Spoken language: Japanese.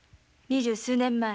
二十数年前。